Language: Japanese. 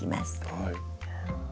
はい。